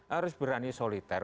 harus berani soliter